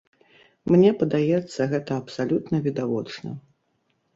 Мне падаецца, гэта абсалютна відавочна.